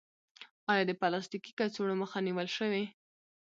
آیا د پلاستیکي کڅوړو مخه نیول شوې؟